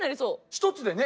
１つでね